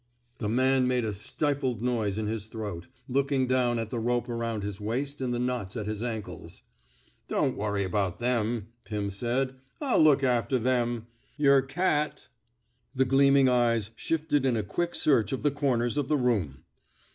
The man made a stifled noise in his throat, looking down at the rope around his waist and the knots at his ankles. Don't worry about them/' Pirn said. '* I'll look after them. ... Yer cat —" The gleaming eyes shifted in a quick search of the comers of the room.